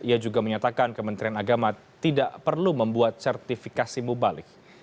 ia juga menyatakan kementerian agama tidak perlu membuat sertifikasi mubalik